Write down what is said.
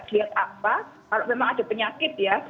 lihat apa kalau memang ada penyakit ya